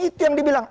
itu yang dibilang